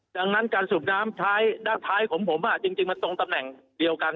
ดังนั้นการสูบน้ำท้ายด้านท้ายของผมจริงมันตรงตำแหน่งเดียวกัน